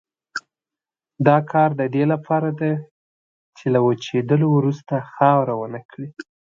دا کار د دې لپاره دی چې له وچېدلو وروسته خاوره ونه کړي.